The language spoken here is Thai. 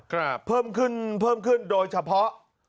ครับเพิ่มขึ้นเพิ่มขึ้นโดยเฉพาะ